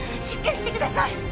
しっかりしてください！